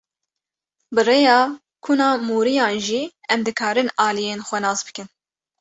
Bi rêya kuna mûriyan jî em dikarin aliyên xwe nas bikin.